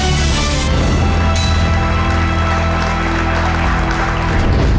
เรียบร้อยครับ